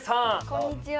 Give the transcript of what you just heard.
こんにちは。